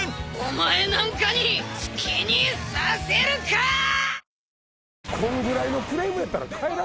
「お前なんかに好きにさせるかー！！」